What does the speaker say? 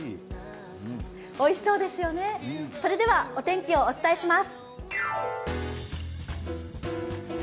おいしそうですよね、それではお天気をお伝えします。